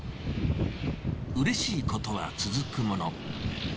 うれしいことは続くもの。